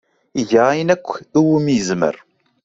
Iga ayen akk umi yezmer.